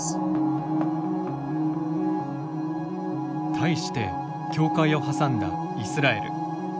対して、境界を挟んだイスラエル。